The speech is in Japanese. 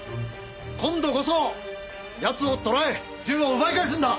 今度こそ奴を捕らえ銃を奪い返すんだ！